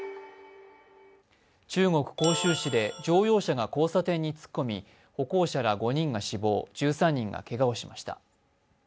中国広州市で乗用車が交差点に突っ込み歩行者ら５人が死亡、１３人がけがをしました。